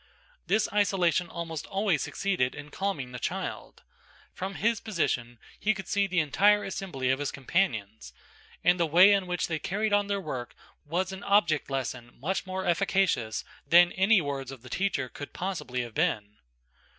This isolation almost always succeeded in calming the child; from his position he could see the entire assembly of his companions, and the way in which they carried on their work was an object lesson much more efficacious than any words of the teacher could possibly have been.